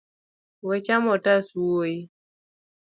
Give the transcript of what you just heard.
We chamo otas wuoi.